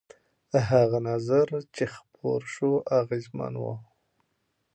هغه نظر چې خپور شو اغېزمن و.